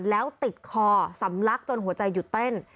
แล้วติดคอสำลักจนหัวใจหยุดเต้น